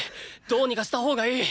どうにかした方がいい！